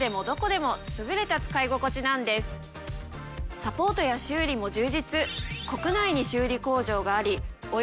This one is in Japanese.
サポートや修理も充実。